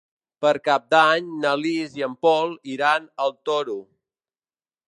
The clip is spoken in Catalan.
Per Cap d'Any na Lis i en Pol iran al Toro.